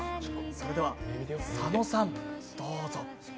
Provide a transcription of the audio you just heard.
それでは佐野さん、どうぞ。